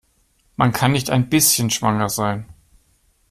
Man kann nicht ein bisschen schwanger sein.